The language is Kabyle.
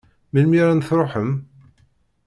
Melmi ara n-truḥem?